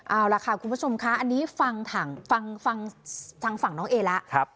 เอาล่ะค่ะคุณผู้ชมค่ะอันนี้ฟังฐังฟังฟังทางฝั่งน้องเอเล่าครับ